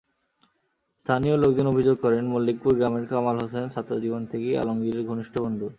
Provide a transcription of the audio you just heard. স্থানীয় লোকজন অভিযোগ করেন, মল্লিকপুর গ্রামের কামাল হোসেন ছাত্রজীবন থেকেই আলমগীরের ঘনিষ্ঠ বন্ধু।